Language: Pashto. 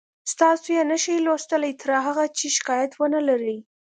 تاسو یې نشئ لوستلی تر هغه چې شکایت ونلرئ